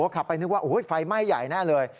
ขับไปนึกว่าไฟไหม้ใหญ่แน่เลย